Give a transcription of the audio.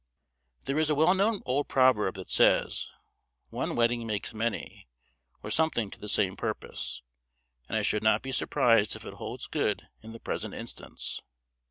There is a well known old proverb that says, "one wedding makes many" or something to the same purpose; and I should not be surprised if it holds good in the present instance.